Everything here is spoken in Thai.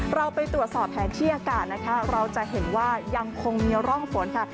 เราไปตรวจสอบแผนที่อากาศนะคะเราจะเห็นว่ายังคงมีร่องฝนค่ะ